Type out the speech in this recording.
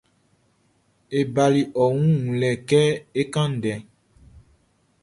E bali ɔ wun wunlɛ kɛ é kán ndɛ.